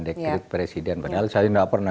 dekret presiden padahal saya nggak pernah